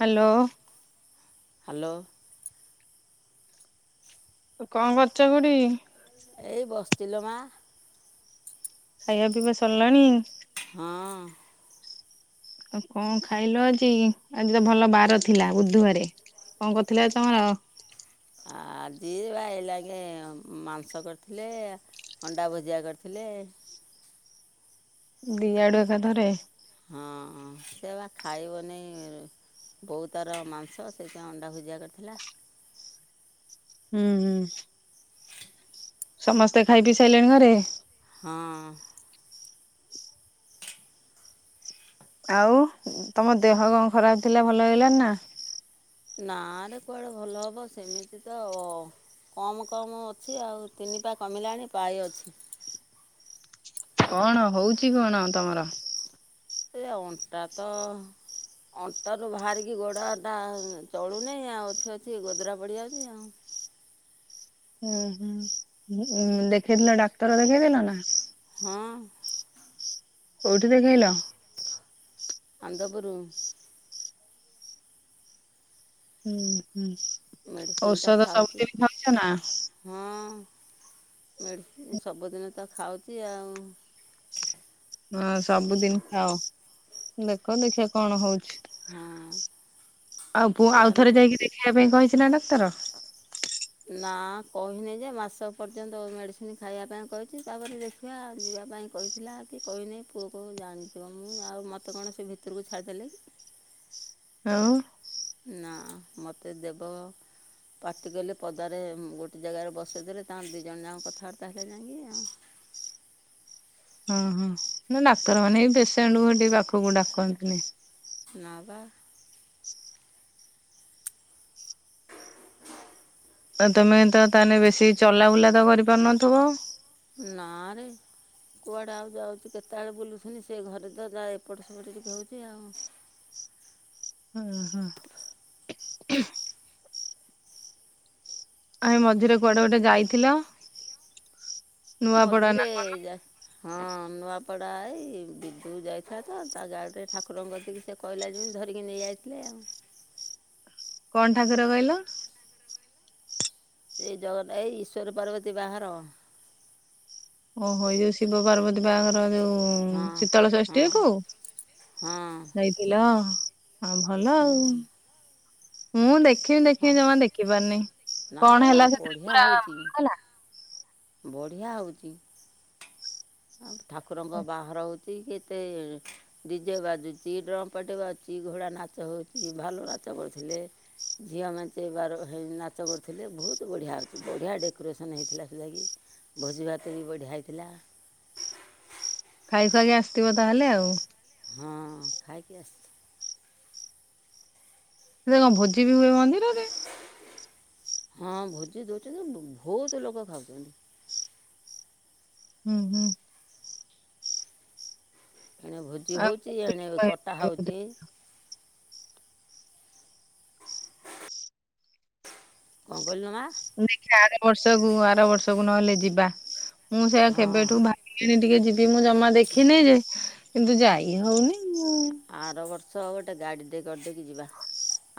Hello. Hello. କଁ କରୁଚ ଖୁଡ଼ି? ଏଇ ବଶ୍ଚିଲୋ ମା। ଖାଇବା ପିଇବା ସରିଲାଣି? ହଁ। ଆଉ କଁ ଖାଇଲ ଆଜି ଆଜିତ ଭଲ ବାର ଥିଲା ବୁଧୁବାରେ? କଁ କରିଥିଲେ ଆଜି ତମର? ଆଜିିବା ଏଇ ଲାଗେ ମାଂସ କରିଥିଲେ ଅଣ୍ଡା ଭୁଜିଆ କରିଥିଲେ। ଦିଆଡ଼ୁ ଏକାଥରେ। ହଁ ସେବା ଖାଇବନି ବୋଉ ତାର ମାଂସ ସେଇଥିପାଇଁ ଅଣ୍ଡା ଭୁଜିଆ କରିଥିଲା। ହୁଁ ହୁଁ। ସମସ୍ତେ ଖାଇ ପିଇ ସାରିଲେଣି ଘରେ? ହଁ। ଆଉ ତମ ଦେହ କଁ ଖରାପ୍ ଥିଲା ଭଲ ହେଇଗଲାଣିନା? ନାରେ କୁଆଡ଼େ ଭଲ ହବ ସେମିତିତ ଅ କମ୍ କମ୍ ଅଛି ଆଉ ତିନିପା କମିଲାଣି ପାଏ ଅଛି। କଣ ହଉଚି କଣ ତମର? ଏ ଅଣ୍ଟାତ ଅଣ୍ଟାରୁୁ ବାହାରିକି ଗୋଡ଼ଟା ଚଳୁନି ଆଉ ଅଛି ଅଛି ଗୋଦରା ପଡ଼ି ଯାଉଚି ଆଉ। ଉଁ ହୁଁ ଦେଖେଇଥିଲ ଡାକ୍ତର ଦେଖେଇଥିଲନା? ହଁ। କୋଉଠି ଦେଖେଇଲ? ଆନ୍ଦପୁରୁ। ହୁଁ ହୁଁ ମେଡ଼ିସିନ୍ ତ ଔଷଧ ସବୁ ଖାଉଛି ଦିନି ଖାଉଚନା? ହଁ ମେଡ଼ିସିନ୍ ସବୁଦିନତ ଖାଉଚି ଆଉ। ହଁ ସବୁଦିନି ଖାଅ ଦେଖ ଦେଖିିଆ କଣ ହଉଚି। ହଁ ଆଉ ପୁଅ ଏୟା ନା ଆଉଥରେ ଯାଇକି ଦେଖିବା ପାଇଁ କହିଚିନା ଡାକ୍ତର? ନା କହିନିଯେ ମାସକ ପର୍ଯ୍ୟନ୍ତ ମେଡ଼ିସିନ୍ ଖାଇବା ପାଇଁ କହିଚି ତାପରେ ଦେଖିଆ ଯିବା ପାଇଁ କହିଚି। ଥିଲାକି କହିନି ପୁଅକୁ ଜାଣିଥିବ ମୁଁ ଆଉ ମୋତେ କଣସେ ଭିତରକୁ ଛାଡ଼ିଦେଲିକି। ଆଉ? ନା ମତେ ଦେବ ପାଟି କଲେ ପଦାରେ ଗୋଟେ ଜାଗାରେ ବସେଇଦେଲେ ତାଙ୍କ ଦି ଜଣ ଯାକ କଥାବାର୍ତ୍ତା ହେଲେ ଯାଇକି ଆଉ। ଓ ହୋ ନା ଡାକ୍ତରମାନେବି ପେସେଣ୍ଡେକୁ ସେଠିକି ପାଖକୁ ଡାକନ୍ତିନି। ନାଁ ପା। ଆଉ ତମେତ ତାହେଲେ ବେଶୀ ଚଲାବୁଲାତ କରିପାରୁନଥିବ? ନାରେ। କୁଆଡ଼େ ଆଉ ଯାଉଚି କେତେଆଳେ ବୁଲୁଚନ୍ତିି ସେଘରେତ ଯାହା ଏପଟ ସେପଟ ଟିକେ ହଉଚି ଆଉ। ଓହୋ। ଆ ମଝିରେ କୁଆଡ଼େ ଗୋଟେ ଯାଇଥିଲ? ନୂଆପଡା ନା ମଝିରେ ଯା ହଁ ନୂଆପଡ଼ା ଏଇ ବିଜୁଳି ଯାଇଥିଲାତ ତାଗାଡ଼ିରେ ଠାକୁରଙ୍କ କତିକି ସେ କହିଲା ଯେମିତି ଧରିକି ନେଇଯାଇଥିଲେ ଆଉ। କଣ ଠାକୁର କହିଲ ଏଇ ଜଗନ୍ନା ଏଇ ଈଶ୍ୱର ପାର୍ବତୀ ବାହାର। ଓହୋ ଏଇ ଯୋଉ ଶିବ ପାର୍ବ ତୀ ବାଆଘର ଯୋଉ ହଁ ହଁ ଶୀତଳଷଷ୍ଠୀକୁୁ ହଁ ହେଇଥିଲା ହଁ ଭଲ ଆଉ। ମୁଁ ଦେଖିମି ହଁ ଦେଖିମି ଜମା ଦେଖି ପାରୁନେଇ। ନାଲୋ କଣ ବା ହେଲା ସେଥିରେ ବଢ଼ିଆ ପୁରା ହେଉଛି ଭଲ ହେଲା? ବଢ଼ିଆ ହୋଉଚି। ଆଉ ଠାକୁରଙ୍କ ବାହାଘର ହୋଉଛି କେତେ ଡିଜେ ବାଜୁଚି, ଡ୍ରମ୍ ପାଟି ବାଜୁଚି, ଘୋଡ଼ା ନାଚ ହୋଉଚି ଭାଲୁ ନାଚ କରୁଥିଲେ। ଝିଅ ମେଞ୍ଚେ ବାର ହେ ନାଚ କରୁଥିଲେ ବୋହୁତ ବଢ଼ିଆ ହେଛି ବଢ଼ିଆ ଡେକୋରେସନ୍ ହେଇଥିଲା ସେଟାଗି। ଭୋଜି ଭାତ ବି ବଢ଼ିଆ ହେଇଥିଲା। ଖାଇ ଖୁଆକି ଆସିଥିବ ତାହେଲେ ଆଉ। ହଁ ଖାଇକି ଆସ୍ ସେ କଣ ଭୋଜି ବି ହୁଏ ମନ୍ଦିରରେ? ହଁ ଭୋଜି ଦୋଉଛନ୍ତି, ଭୋଉତ ଲୋକ ଖାଉଛନ୍ତି। ହୁଁ ହୁଁ। ଏଣେ ଭୋଜି ଆଉ ହୋଉଚି, ଏଣେ କଟା ଦେଖିବା ହୋଉଚି। କଣ କହିଲୁ ମା? ଦେଖିଆ ଆର ବର୍ଷକୁ ଆର ବର୍ଷକୁ ନହେଲେ ଯିବା, ମୁଁ ସେଇଆ ହଁ କେବେଠୁ ଭା ବିଲିଣି ଟିକେ ଯିବି ମୁଁ ଜମା ଦେଖିନେଇ ଯେ, କିନ୍ତୁ ଯାଇ ହୋଉନି ଆ ଆର ବର୍ଷ ଗୋଟେ ଗାଡ଼ିଟେ କରିଦେଇକି ଯିବା।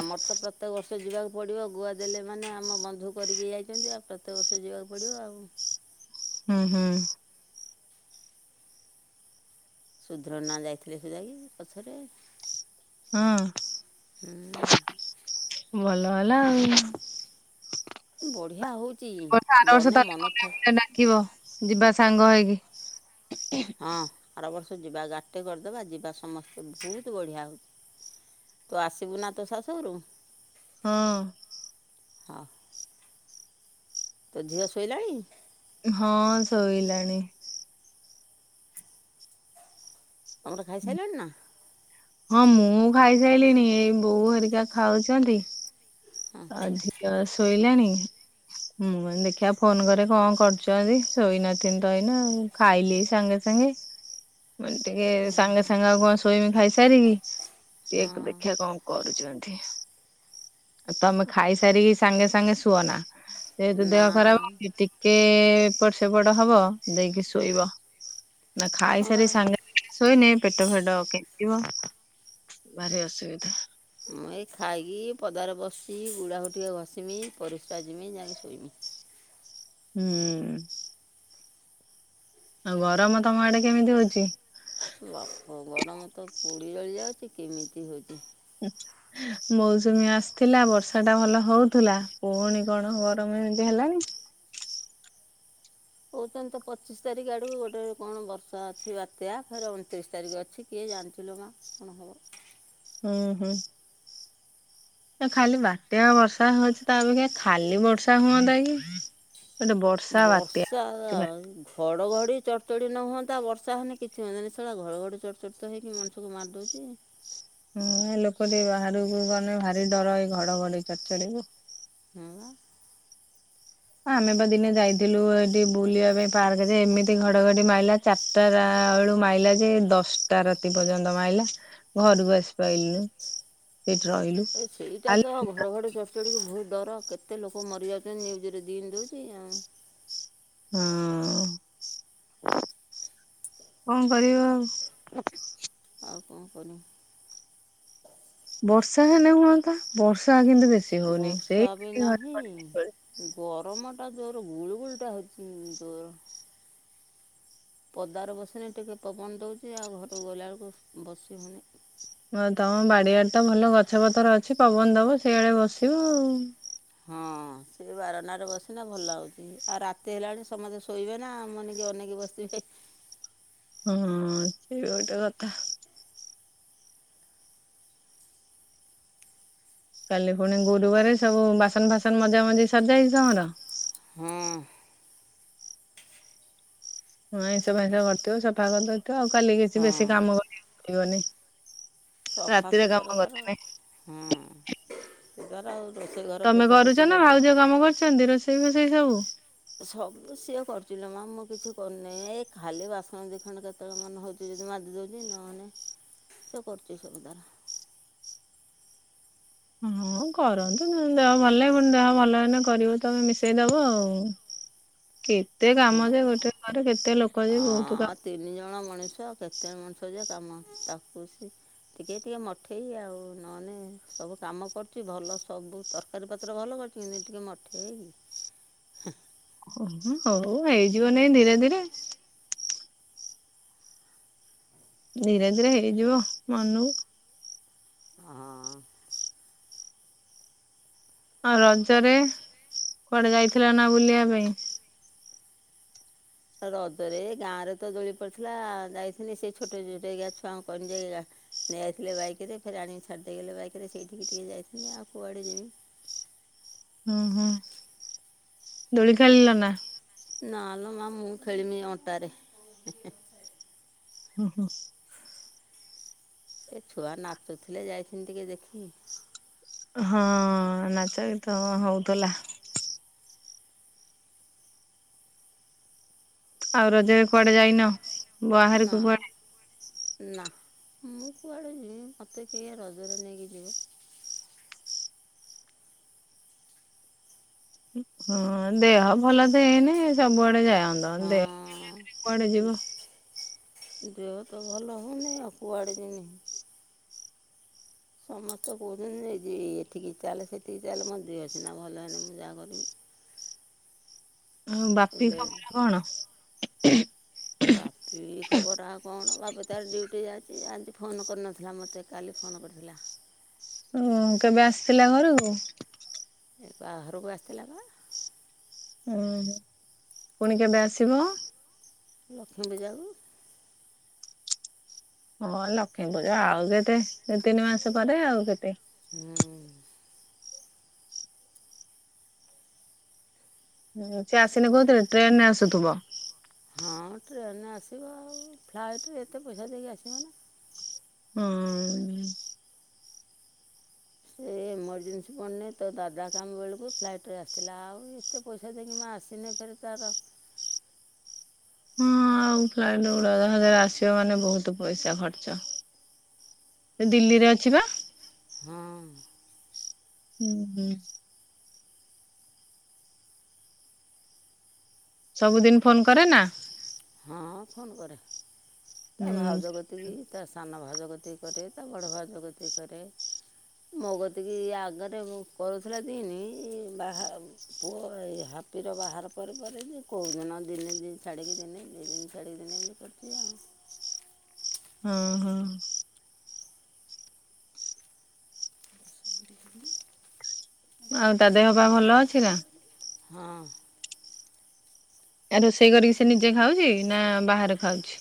ଆମର ତ ପ୍ରତ୍ୟେକ ବର୍ଷ ଯିବାକୁ ପଡିବ ଗୁଆ ଦେଲେ ମାନେ ଆମ ବନ୍ଧୁ କରିକି ଯାଇଛନ୍ତି ଆଉ ତେ ବର୍ଷ ଯିବାକୁ ପଡ଼ିବ ଆଉ। ହୁଁ ହୁଁ। ସୁଧୀରନା ଯାଇଥିଲେ ସେ ଯାଇକି ପଛରେ। ହଁ। ହୁଁ ଭଲ ହେଲା ଆଉ। ବଢ଼ିଆ ହେଉଛି ବର୍ଷା ଆର ବର୍ଷ ଗନେ ତାହେଲେ ମନ ଗଲେ ଥାଏ [unintelligible] ଡାକିବ। ଯିବା ସାଙ୍ଗ ହେଇକି। ହଁ ଆର ବର୍ଷ ଯିବା ଗାଟେ କରିଦବା ଯିବା ସମସ୍ତେ ଭୋଉତ ବଢ଼ିଆ ହୋଉଛି। ତୁ ଆସିବୁ ନା ତୋ ଶାଶୁଘରୁ? ହୁଁ। ହ। ତୋ ଝିଅ ଶୋଇଲାଣି? ହଁ ଶୋଇଲାଣି। ତମର ଖାଇସାଇଲାଣି ନା? ହଁ ମୁଁ ଖାଇସାଇଲିଣି ଏଇ ବୋଉ ହେରିକା ଖାଉଛନ୍ତି। ଆ ଝିଅ ଶୋଇଲାଣି। ମୁଁ କଇନି ଦେଖିଆ ଫୋନ କରେ କଣ କରୁଛନ୍ତି ଶୋଇନଥିନି ତ ଏଇନା ଖାଇଲି ଏଇ ସାଙ୍ଗେ ସାଙ୍ଗେ ମାନେ ଟିକେ ସାଙ୍ଗେ ସାଙ୍ଗ ଆଉ କଣ ଶୋଇମି ଖାଇସାରିକି, କେକ୍ ହଁ ଦେଖିଆ କଣ କରୁଛନ୍ତି? ତମେ ଖାଇସାରିକି ସାଙ୍ଗେ ସାଙ୍ଗେ ଶୁଅନା, ଯେହେତୁ ନା ଦେହ ଖରାପ ହୋଉଚି ଟି କେ ଏପଟ ସେପଟ ହବ ଦେଇକି ଶୋଇବ। ନା ହଁ ବା ଖାଇସାରି ସାଙ୍ଗେ ଶୋଇନେ ପେଟ ଫେଟ କେଞ୍ଚିବ ଭାରି ଅସୁବିଧା। ମୁଁ ଏଇ ଖାଇକି ପଦାରେ ବସି ଗୁଡ଼ାଖୁ ଟିକେ ଘଷିମି ପରିସ୍ରା ଜିମି ଯାଇକି ଶୋଇମି। ହୁଁ। ଆଉ ଗରମ ତମ ଆଡେ କେମିତି ହଉଛି? ବାପ ଗରମ ତ ପୋଡ଼ି ଜଳିଯାଉଛି କେମିତି ହଉଛି। ଆଚ୍ଛା। ମୌସୁମୀ ଆସିଥିଲା ବର୍ଷାଟା ଭଲ ହଉଥିଲା ପୁଣି କଣ ଗରମ ଏମିତି ହେଲାଣିି। କଉଛନ୍ତି ତ ପଚିଶ ତାରିଖ ଆଡକୁ ଗୋଟେ କଣ ବର୍ଷା ଅଛି ବାତ୍ୟା ଫେର୍ ଅଣତିରିଶି ତାରିଖ ଅଛି। କିଏ ଜାଣିଚ଼ିଲୋ ମା କଣ ହବ। ହୁଁ ହୁଁ। ଖାଲି ବାତ୍ୟା ବର୍ଷା ହଉଛି ତା ଅପେକ୍ଷା ଖାଲି ବର୍ଷା ହୁଅନ୍ତା କି। ଗୋଟେ ବର୍ଷା ବାତ୍ୟା ବର୍ଷା [unintelligible] ଘଡ଼ଘଡି ଚଡ଼ଚଡ଼ି ନ ହୁଅନ୍ତା ବର୍ଷା ହେନି କିଛି ହୁଅନ୍ତାନି [inaudible] ଘଡ଼ଘଡ଼ି ଚଡ଼ଚଡ଼ିତ ହେଇକି ମଣିଷକୁ ମାରି ଦେଉଛି। ହୁଁ ଏ ଲୋକ ଟିକେ ବାହାରକୁ ଗଲେ ଭାରି ଡର ଏଇ ଘଡଘଡି ଚଡ଼ଚଡ଼ି କୁ। ହଁ ବା। ହଁ ଆମେ ବା ଦିନେ ଯାଇଥିଲୁ ଏଠି ବୁଲିବା ପାଇଁ ପାର୍କ ଜେ ଏମିତି ଘଡଘଡି ମାଇଲା ଚାରିଟା ରା ବେଳୁ ମାଇଲା ଯେ ଦଶଟା ରାତି ପର୍ଯ୍ୟନ୍ତ ମାଇଲା। ଘରକୁ ଆସି ପାଇଲୁନୁ। ସେଇଠି ରହିଲୁ। ଏ ସେଇଟା କାଲି ତ ଘଡ ଘଡି ଘଡ଼ଘଡ଼ି ବହୁତ ଡର କେତେ ଲୋକ ମରିଯାଉଛନ୍ତି ନ୍ୟୁଜରେ ଦିନି ଦେଉଛି ଆଉ। ହୁଁ କଣ କରିବା ଆଉ। ଆଉ କଣ [unintelligible] ବର୍ଷା ହେଲେ ହୁଆନ୍ତା ବର୍ଷା କିନ୍ତୁ ବେଶୀ ହଉନି ସେଇ ବର୍ଷା ବି ଖାଲି ନାହିଁ। ଘଡଘଡି। ଗରମ ଟା ଜୋର ଗୁଳୁ ଗୁଳୁଟା ହେଉଛି ଜୋର। ପଦାରେ ବସିଲେ ଟିକେ ପବନ ଦେଉଛି ଆଉ ଘରକୁ ଗଲାବେଳକୁ ବସି ହଉନି। ଆଉ ତମ ବାଡିଆଡ଼େ ତ ଭଲ ଗଛ ପତର ଅଛି ପବନ ଦବ ସେଇଆଡେ ବସିବ ଆଉ। ହଁ। ସେଇ ବାରଣ୍ଡାରେ ବସିଲେ ଭଲ ଲାଗୁଛି ଆଉ ରାତି ହେଲାଣି ସମସ୍ତେ ଶୋଇବେ ନା ଆମନେକି ଅନେଇକି ବସିଥିବେ। ହଁ ସେ ଗୋଟେ କଥା। କାଲି ପୁଣି ଗୋରୁବାରେ ସବୁ ବାସନ ଫାସନ ମଝା ମଝି ସରିଜାଇଛି ତମର? ହଁ। ହଁ ଆଇଁଷ ଫାଇଁଷ କରିଥିବ ସଫା କରିଦେଇଥିବ ଆଉ କାଲି କିଛି ହଁ ବେଶି କାମ କରିବାକୁ ପଡ଼ିବନି। ସଫା ରାତିରେ ସୁତୁରା କାମ ତାର [unintelligible] ନାଇଁ ହଁ ସେ [inaudible] ଆଉ ରୋଷେଇ ଘର ତମେ କରୁଛ ପୋଛାପୋଛି ନା ଭାଉଜ କରିଦେଇଛି। କାମ କରୁଛନ୍ତି ରୋସେଇ ରୋସେଇ ଫାସେଇ ସବୁ? ସବୁ ସିଏ କରୁଛି ଲୋ ମା ମୁଁ କିଛି କରିନାହିଁ ଏଇ ଖାଲି ବାସନ ଦିଖଣ୍ଡ କେତ କେତେବେଳେ ମନ ହଉଛି ଯଦି ମାଝି ଦେଉଛି ନହେଲେ ସେ କରୁଛି ସବୁ ତାର। ହଁ କରନ୍ତୁ ଦେହ ଭଲ ଦେହ ଭଲ ହେଲେ କରିବ ତମେ ମିଶେଇଦବ ଆଉ। କେତେ ହଁ କାମ ଯେ ଗୋଟେ ଘରେ କେତେ ଲୋକ ଯେ ବହୁତ ହଁ କାମ ତିନି ଜଣ ମଣିଷ କେତେ ମଣିଷ ଯେ କାମ ତାକୁ ସେ ଟିକେ ଟିକେ ମଠେଇ ଆଉ ନହେଲେ ସବୁ କାମ କରୁଛି ଭଲ ସବୁ ତରକାରୀ ପତ୍ର ଭଲ କରୁଛି କିନ୍ତୁ ଟିକିଏ ମଠେଇ। ଓ ହଉ ହେଇଯିବ ନାଇଁ ଧୀରେ ଧୀରେ। ଧୀରେ ଧୀରେ ହେଇଯିବ ମନୁକୁ। ଆଁ ଆଉ ରଜରେ କୁଆଡେ ଯାଇଥିଲ ନା ବୁଲିବା ପାଇଁ। ରଜରେ ଗାଁରେ ତ ଦୋଳି ପଡିଥିଲା ଯାଇଥିନି ସେ ଛୋଟେ ଛୋଟେଇକା ଛୁଆଙ୍କୁ କହିଣି ଯେ ଆ ନେଇ ଯାଇଥିଲେ ବାଇକରେ ଫେରେ ଆଣିକି ଛାଡ଼ିଦେଇଗଲେ ବାଇକରେ। ସେଇଠିକି ଟିକେ [unintelligible] ଆଉ କୁଆଡ଼େ [unintelligible] [unintelligible] ହୁଁ ହୁଁ ଦୋଳି ଖାଳିଲ ନା? ନାଲୋ ମା ମୁଁ [unintelligible] ଅଣ୍ଟାରେ ହେଁ ହେଁ। ହୁଁ ହୁଁ। ଏ ଛୁଆ ନାଚୁଥିଲେ [unintelligible] ଟିକେ ଦେଖି। ହଁ ନାଚ ଗୀତ ହଉଥିଲା। ଆଉ ରଜରେ କୁଆଡେ ଯାଇନ? ବାହାରକୁ ନାଁ କୁଆଡେ ନା ମୁଁ କୁଆଡ଼େ ଯିବି ମୋତେ କିଏ ରଜରେ ନେଇକି ଯିବ। ହଁ ଦେହ ଭଲ ତ ହେଇନି ସବୁଆଡେ ଯାଅନ୍ତ। ହଁ ଦେହ [inaudible] କୁଆଡେ ଯିବ। ଦେହ ତ ଭଲ ହଉନି ଆଉ କୁଆଡେ ଯିନି। ସମସ୍ତେ କହୁଚନ୍ତି ଯେ ଏ ଏଠିକି ଚାଲେ ସେଠିକି ଚାଲେ ମୋ ଦେହ ସିନା ଭଲ ହେନେ ମୁଁ ଯାହା କରିବି। ଆଉ ବାପି ବେଡ଼୍ ଖବର କଣ? ବାପି ଖବର ଆଉ କଣ। ବାପି ତାର ଡ୍ୟୁଟି ଯାଇଚି। ଆଜି ଫୋନ କରିନଥିଲା ମୋତେ। କାଲି ଫୋନ କରିଥିଲା। ଓ କେବେ ଆସିଲା ଘରୁକୁ? ଏ ବାହାରୁକୁ ଆସିଥିଲା ପା ଉଁ ହୁଁ ପୁଣି କେବେ ଆସିବ? ଲକ୍ଷ୍ମୀ ପୂଜା କୁ। ହଁ ଲକ୍ଷ୍ମୀ ପୂଜା ଆଉ କେତେ ଏ ତିନି ମାସ ପରେ ଆଉ କେତେ? ହୁଁ ହୁଁ ସେ ଆସିନି କୋଉଥିରେ ଟ୍ରେନ ରେ ଆସୁଥୁବ। ହଁ ଟ୍ରେନେ ରେ ଆସିବ ଆଉ ଫ୍ଲାଇଟ୍ ରେ ଏତେ ପଇସା ଦେଇକି ଆସିବ ନା। ହୁଁ ଏ ଏମର୍ଜେନ୍ସି ପଡ଼ନି ତ ତା ଦାଦା କାମ ବେଳକୁ ଫ୍ଲାଇଟ୍ ରେ ଆସିଥିଲା ଆଉ ଏତେ ପଇସା ଦେଇକିମା ଆସିନେ ଫେରେ ତାର। ହଁ ଆଉ ଫ୍ଲାଇଟ ଗୋଟେ [unintelligible] ଆସିବ ମାନେ ବହୁତ ପଇସା ଖର୍ଚ୍ଚ। ଏ ଦିଲ୍ଲୀରେ ଅଛିିପା। ହଁ ହୁଁ ହୁଁ। ସବୁଦିନ ଫୋନ କରେ ନା? ହଁ ଫୋନ୍ କରେ ତା ହୁଁ ଭାଉଜ କତି ତିକି ତା ସାନ ଭାଉଜ କତିକି କରେ ତା ବଡ଼ ଭାଉଜ କତିକି କରେ। ମୋ କତିକି ଆଗରେ କରୁଥିଲା ଦିନି ବାହାବ ପୁଅ ଏଇ ହାପିର ବାହାଘର ପରେ ପରେ ଯେ କୋଉଦିନ ଦିନେ ଦି ଛାଡ଼ିକି ଦିନେ ଦୁଇ ଦିନ ଛାଡି ଦିନେ ଏମତି କରୁଚି ଆଉ। ହୁଁ ହୁଁ। [inaudible] ଆଉ ତା ଦେହ ପାଆ ଭଲ ଅଛି ନା? ହଁ ଆ ରୋଷେଇ କରିକି ସେ ନିଜେ ଖାଉଚି ନା ବାହାରେ ଖାଉଚି?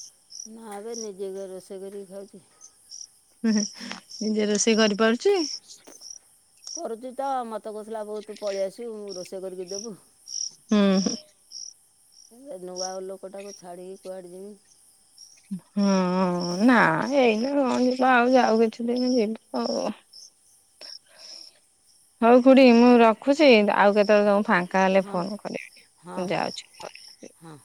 ନାବେ ନିଯେ ଘରେ ରୋଷେଇ କରିକି ଖାଉଛି। ହିଁ ହିଁ ନିଜେ ରୋଷେଇ କରିପାରୁଛି? ପଢୁଚି ତ ମୋତେ କହୁଥିଲା ବୋଉ ତୁ ପଳେଇ ଆସିବୁ ମୁଁ ରୋଷେଇ କରିକି ଦେବୁ। ହୁଁ। ଏ ନୂଆ ଲୋକଟାକୁ ଛାଡ଼ିକି କୁଆଡ଼େ ଯମି। ହଁ ନା ହେଇନି କଣ ଯିବ ଆଉ ଯାଉ କିଛି ଦିନି ଏଇନା କଣ ହଉ ଖୁଡି ମୁଁ ରଖୁଛି। ଆଉ କେତେବେଳେ ତମକୁ ଫାଙ୍କା ହେଲେ ହଁ ଫୋନ୍ କରିବି। ହଁ ମୁ ହଁ ଯାଉଛି ଘରୁକୁ। ହଁ।